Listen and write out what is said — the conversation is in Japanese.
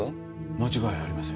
間違いありません。